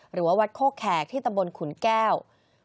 หรือว่าวัดโคกแขกที่ตำบลขุนแก้ว